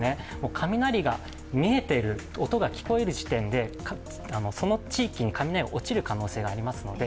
雷が見えている、音が聞こえる時点で、その地域に雷が落ちる可能性がありますので